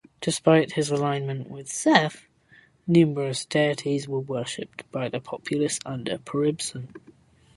Despite his alignment with Seth, numerous deities were worshipped by the populace under Peribsen.